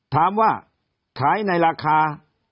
ถามว่าขายในราคา